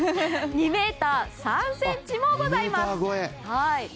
２ｍ３ｃｍもございます。